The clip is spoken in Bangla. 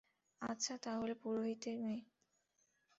আচ্ছা, তাহলে তুমি পুরোহিতের মেয়ে?